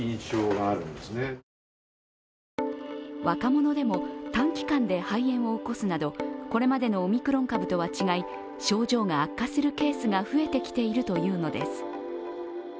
若者でも短期間で肺炎を起こすなどこれまでのオミクロン株とは違い症状が悪化するケースが増えてきているというのです。